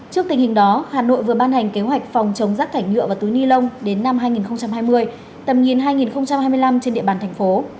trước tình hình đó hà nội vừa ban hành kế hoạch phòng chống rác thải nhựa và túi ni lông đến năm hai nghìn hai mươi tầm nhìn hai nghìn hai mươi năm trên địa bàn thành phố